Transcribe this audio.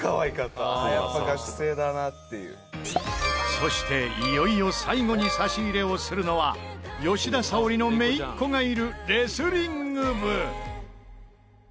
そしていよいよ最後に差し入れをするのは吉田沙保里の姪っ子がいるレスリング部。